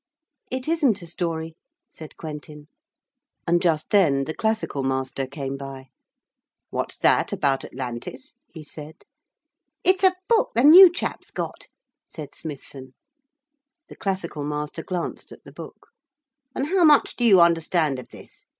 'It isn't a story,' said Quentin. And just then the classical master came by. 'What's that about Atlantis?' he said. 'It's a book the new chap's got,' said Smithson. The classical master glanced at the book. 'And how much do you understand of this?'